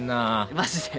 マジで？